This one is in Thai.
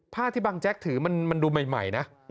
ที่บางแจ๊กถือมันดูใหม่นะ